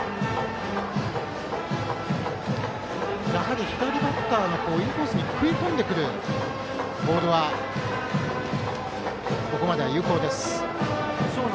やはり左バッターのインコースに食い込んでくるボールはここまでは有効です。